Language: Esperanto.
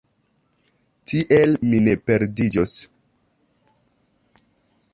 Tiel, mi ne perdiĝos.